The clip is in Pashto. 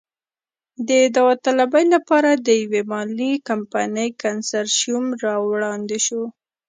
د داوطلبۍ لپاره د یوې مالي کمپنۍ کنسرشیوم را وړاندې شو.